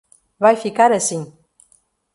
Vai ficar assim.